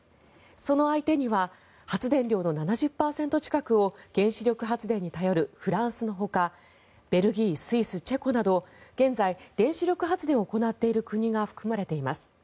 その相手には発電量の７０％近くを原子力発電に頼るフランスのほかベルギー、スイス、チェコなど現在原子力発電を行っている国が含まれています。